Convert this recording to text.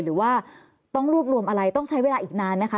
หรือว่าต้องรวบรวมอะไรต้องใช้เวลาอีกนานไหมคะ